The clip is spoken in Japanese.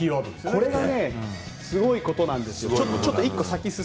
これがすごいことです。